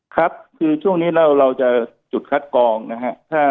ครับคือช่วงนี้เราจะจุดคัดกองนะฮะ